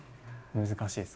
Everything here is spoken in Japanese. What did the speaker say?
難しいですけど。